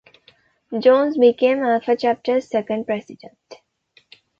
Jones became Alpha chapter's second President.